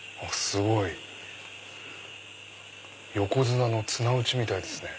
すごい！横綱の綱打ちみたいですね。